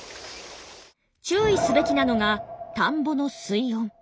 注意すべきなのが田んぼの水温。